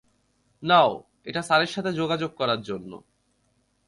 নাও, এটা স্যারের সাথে যোগাযোগ করার জন্য।